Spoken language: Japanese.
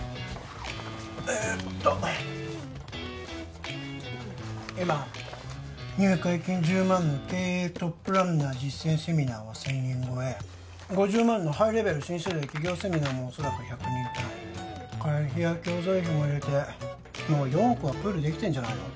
えーっと今入会金１０万の経営トップランナー実践セミナーは１０００人超え５０万のハイレベル新世代起業セミナーもおそらく１００人単位会費や教材費も入れてもう４億はプールできてんじゃないの？